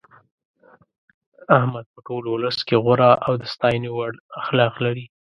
احمد په ټول ولس کې غوره او د ستاینې وړ اخلاق لري.